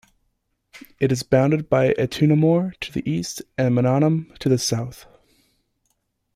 It is bounded by Ettumanoor to the east and Mannanam to the south.